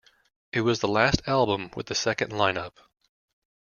It was the last album with the second line-up.